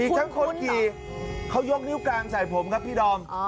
ทั้งคนขี่เขายกนิ้วกลางใส่ผมครับพี่ดอม